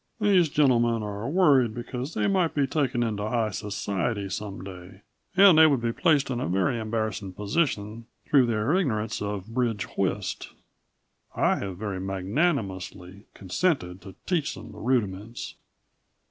"These gentlemen are worried because they might be taken into high society some day, and they would be placed in a very embarrassing position through their ignorance of bridge whist. I have very magnanimously consented to teach them the rudiments."